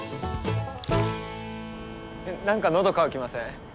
何か喉渇きません？